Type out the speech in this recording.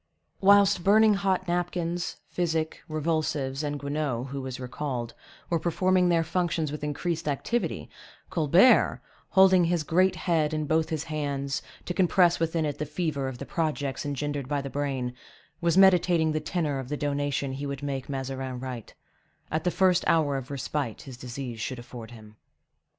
Whilst burning hot napkins, physic, revulsives, and Guenaud, who was recalled, were performing their functions with increased activity, Colbert, holding his great head in both his hands, to compress within it the fever of the projects engendered by the brain, was meditating the tenor of the donation he would make Mazarin write, at the first hour of respite his disease should afford him.